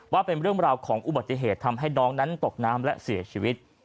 ว่าเป็นเรื่องราวของอุบัติเหตุทำให้น้องนั้นตกน้ำและเสียชีวิต